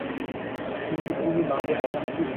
Idea শুধু পুজা পাঠ করার মাধ্যমে এই সমস্যার সমাধান মিলবে।